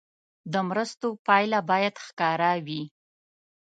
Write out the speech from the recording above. د مرستو پایله باید ښکاره وي.